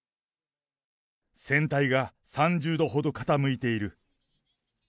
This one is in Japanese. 船体が３０度ほど傾いている。